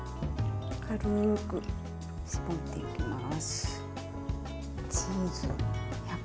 軽く絞っていきます。